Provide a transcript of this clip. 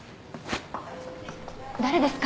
誰ですか？